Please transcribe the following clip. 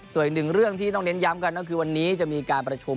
ส่วนอีกหนึ่งเรื่องที่ต้องเน้นย้ำกันก็คือวันนี้จะมีการประชุม